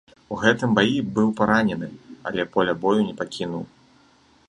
У гэтым баі быў паранены, але поля бою не пакінуў.